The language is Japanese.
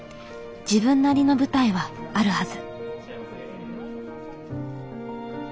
自分なりの舞台はあるはず。